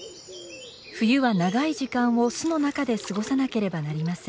冬は長い時間を巣の中で過ごさなければなりません。